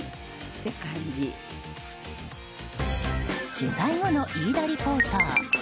取材後の飯田リポーター